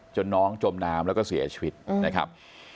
น้องจมน้ำแล้วก็เสียชีวิตนะครับ